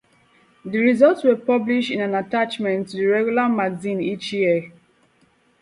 The results were published in an attachment to the regular magazine each year.